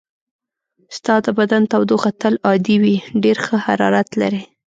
ستا د بدن تودوخه تل عادي وي، ډېر ښه حرارت لرې.